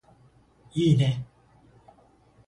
いーね